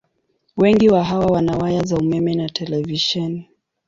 Wengi wa hawa wana waya za umeme na televisheni.